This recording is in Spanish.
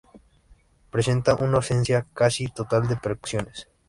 Presenta una ausencia casi total de percusiones.